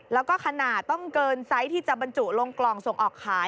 แล้วก็ขนาดต้องเกินไซส์ที่จะบรรจุลงกล่องส่งออกขาย